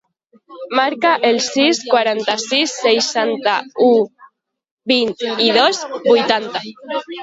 Marca el sis, quaranta-sis, seixanta-u, vint-i-dos, vuitanta.